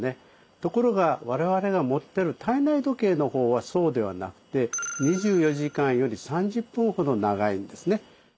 ところが我々が持ってる体内時計のほうはそうではなくて２４時間より３０分ほど長いんですね。